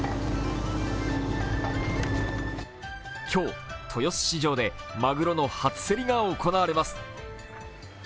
今日、豊洲市場でマグロの初競りが行われます。